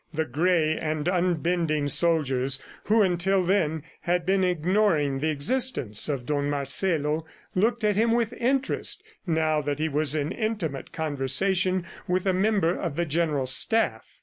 The gray and unbending soldiers who, until then, had been ignoring the existence of Don Marcelo, looked at him with interest, now that he was in intimate conversation with a member of the General Staff.